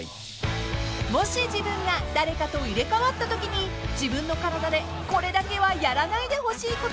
［もし自分が誰かと入れ替わったときに自分の体でこれだけはやらないでほしいこと］